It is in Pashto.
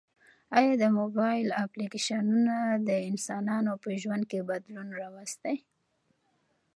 ایا د موبایل اپلیکیشنونه د انسانانو په ژوند کې بدلون راوستی؟